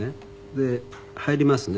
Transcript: で入りますね。